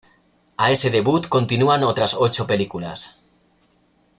A ese debut continúan otras ocho películas.